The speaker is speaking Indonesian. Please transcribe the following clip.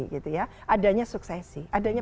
gitu ya adanya suksesi adanya